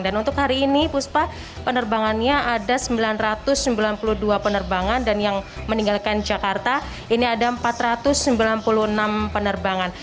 dan untuk hari ini puspa penerbangannya ada sembilan ratus sembilan puluh dua penerbangan dan yang meninggalkan jakarta ini ada empat ratus sembilan puluh enam penerbangan